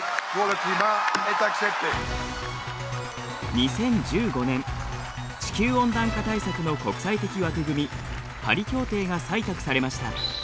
２０１５年地球温暖化対策の国際的枠組みパリ協定が採択されました。